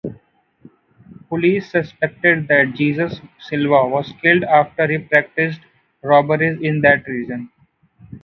Police suspected that Jesus Silva was killed after he practiced robberies in that region.